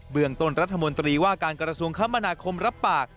เบื้องต้นรัฐมนตรีว่าการกรสวงคมมรับปาก